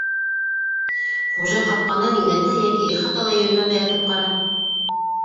Хужа ҡапҡанан ингәндә йәки ихатала йөрөгәндә ятып ҡара!